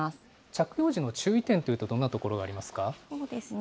着用時の注意点というと、どんなところがありますか。